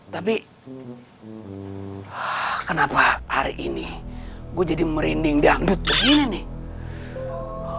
tapi kenapa hari ini gue jadi merinding dangdut begini nih